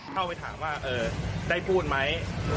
เข้าไปถามว่าได้พูดไหม